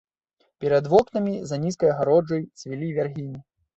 Перад вокнамі, за нізкай агароджай, цвілі вяргіні.